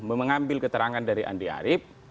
mengambil keterangan dari andi arief